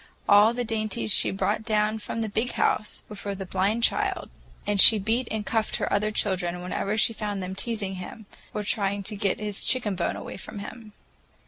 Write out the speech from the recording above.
All the dainties she brought down from the "Big House" were for the blind child, and she beat and cuffed her other children whenever she found them teasing him or trying to get his chicken bone away from him.